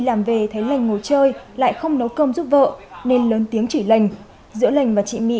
làm về thấy lãnh ngồi chơi lại không nấu cơm giúp vợ nên lớn tiếng chỉ lãnh giữa lãnh và chị mỹ